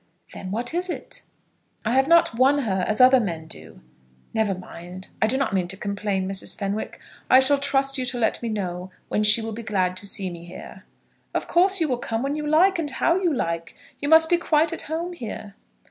"Then what is it?" "I have not won her as other men do. Never mind; I do not mean to complain. Mrs. Fenwick, I shall trust you to let me know when she will be glad to see me here." "Of course you will come when you like and how you like. You must be quite at home here."